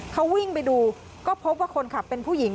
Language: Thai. เขาวิ่งไปดูก็พบว่าคนขับเป็นผู้หญิง